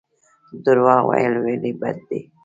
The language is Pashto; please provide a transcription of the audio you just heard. درواغ ویل ولې بد دي؟